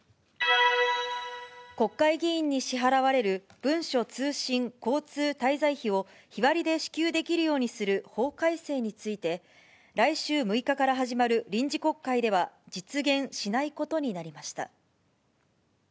国会議員に支払われる文書通信交通滞在費を日割りで支給できるようにする法改正について、来週６日から始まる臨時国会では実現しないことになりました。